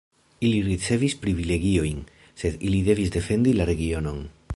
Ili ricevis privilegiojn, sed ili devis defendi la regionon.